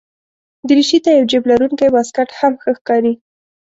دریشي ته یو جېب لرونکی واسکټ هم ښه ښکاري.